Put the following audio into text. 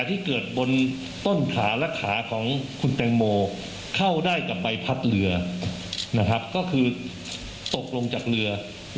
ถูกดูดเข้าไปหาไปพัดเรือ